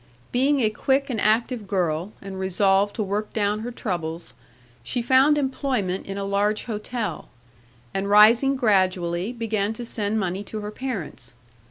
Being a quick and active girl, and resolved to work down her troubles, she found employment in a large hotel; and rising gradually, began to send money to her parents.